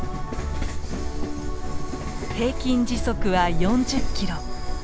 平均時速は４０キロ。